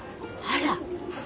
あら。